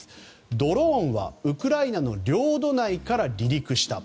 ドローンはウクライナの領土内から離陸したと。